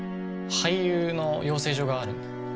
俳優の養成所があるんだ。